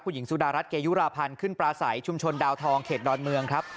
คุณหญิงสุดารัฐเกยุราพันธ์ขึ้นปลาใสชุมชนดาวทองเขตดอนเมืองครับ